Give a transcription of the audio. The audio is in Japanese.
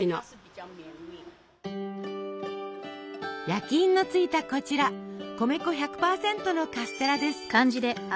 焼印のついたこちら米粉１００％のカステラです。